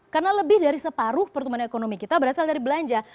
karena lebih dari separuh pertumbuhan ekonomi kita berasal dari belanja